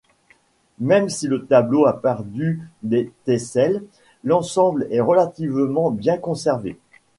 Même si le tableau a perdu des tesselles, l'ensemble est relativement bien conservé.